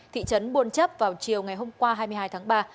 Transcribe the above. thị trấn buôn chấp vào chiều ngày hôm qua hai mươi hai tháng ba